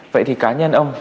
vậy thì cá nhân ông